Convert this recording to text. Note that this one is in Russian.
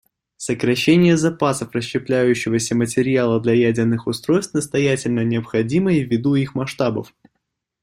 Сокращение запасов расщепляющегося материала для ядерных устройств настоятельно необходимо и ввиду их масштабов.